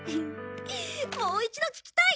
もう一度聞きたい。